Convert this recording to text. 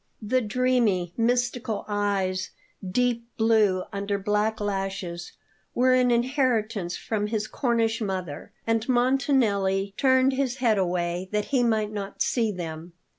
The dreamy, mystical eyes, deep blue under black lashes, were an inheritance from his Cornish mother, and Montanelli turned his head away, that he might not see them.